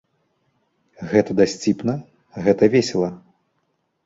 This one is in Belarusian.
Гэта дасціпна, гэта весела.